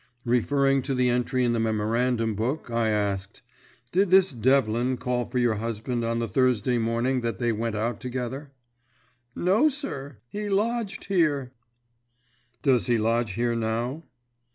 Referring to the entry in the memorandum book, I asked, "Did this Devlin call for your husband on the Thursday morning that they went out together?" "No, sir, he lodged here." "Does he lodge here now?"